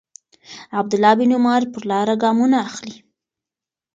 عبدالله بن عمر پر لاره ګامونه اخلي.